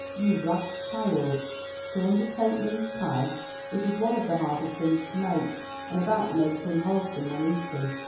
"You rash child, to undertake mince pie. It is one of the hardest things to make, and about the most unwholesome when eaten.